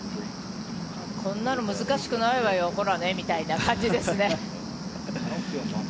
こんなの難しくないわよほらねみたいな感じですね。